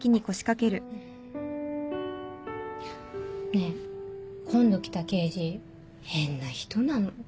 ねえ今度来た刑事変な人なの。